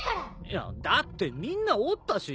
いやだってみんなおったし。